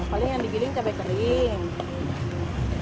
paling yang digiling cabai kering